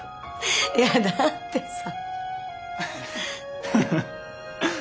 いやだってさ。